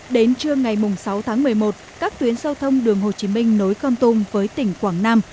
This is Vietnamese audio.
đến trưa ngày sáu tháng một mươi một các tuyến giao thông đường hồ chí minh nối con tung với tỉnh quảng nam